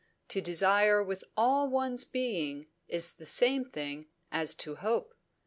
To desire with all one's being is the same thing as to hope.